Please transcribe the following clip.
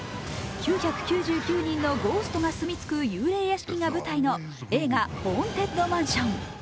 ９９９人のゴーストが住み着く幽霊屋敷が舞台の映画「ホーンテッドマンション」。